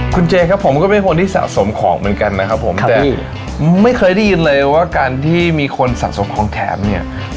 คุณเจครับผมก็เป็นคนที่สะสมของเหมือนกันนะครับผมแต่ไม่เคยได้ยินเลยว่าการที่มีคนสะสมของแถมเนี่ย